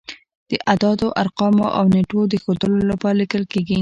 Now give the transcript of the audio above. د اعدادو، ارقامو او نېټو د ښودلو لپاره لیکل کیږي.